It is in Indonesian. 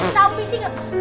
tau misi gak